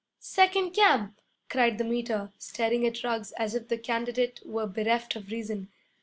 'Second camp!' cried the Meter, staring at Ruggs as if the candidate were bereft of reason.